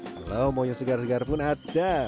kalau mau yang segar segar pun ada